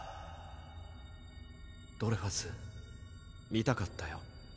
ドレファス見たかったよ